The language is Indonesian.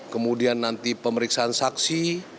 kemudian nanti pemeriksaan saksi